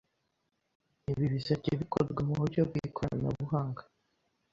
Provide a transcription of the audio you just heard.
Ibi bizajya bikorwa mu buryo bw’ikoranabuhanga